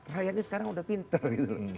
rakyatnya sekarang sudah pintar